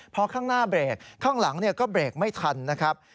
พอข้างหน้าเบรกข้างหลังก็เบรกไม่ทันนะครับ